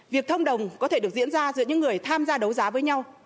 việc thông đồng có thể được diễn ra giữa những người tham gia đấu giá với nhau